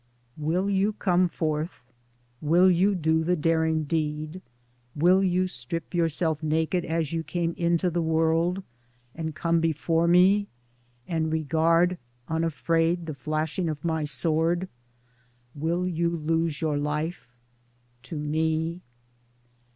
Will you come forth ? will you do the daring deed ? 8 Towards Democracy will you strip yourself naked as you came into the world, and come before me, and regard unafraid the flashing of my sword ? will you lose your life, to Me